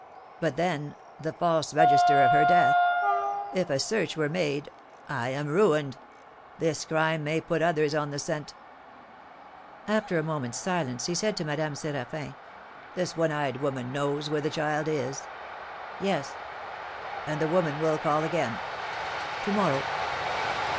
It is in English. But, then, the false register of her death! If a search were made, I am ruined! This crime may put others on the scent." After a moment's silence, he said to Madame Séraphin: "This one eyed woman knows where the child is?" "Yes." "And the woman will call again?" "To morrow."